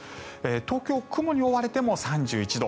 東京、雲に覆われても３１度。